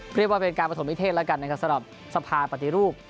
เรียกว่าเป็นการประถมนิเทศแล้วกันนะครับสำหรับสภาปฏิรูป